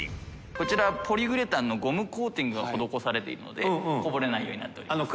こちらポリウレタンのゴムコーティングが椶気譴討い襪里こぼれないようになっております。